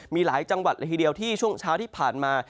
มีหลายจังหวัดละทีเดียวที่ช่วงเช้าที่ผ่านมา